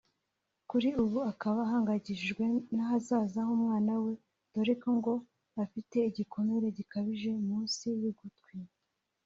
Kuri ubu akaba ahangayikishijwe n’ahazaza h’umwana we dore ko ngo afite igikomere gikabije munsi y’ugutwi